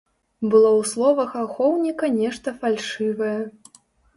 Было ў словах ахоўніка нешта фальшывае.